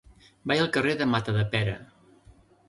Vaig al carrer de Matadepera.